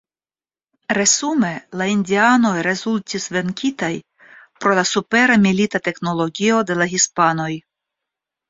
Resume la indianoj rezultis venkitaj pro la supera milita teknologio de la hispanoj.